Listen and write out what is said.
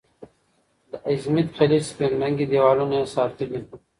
د ازمېت خلیج سپین رنګي دیوالونه یې ستایلي.